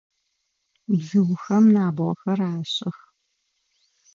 Бзыухэм набгъохэр ашӏых.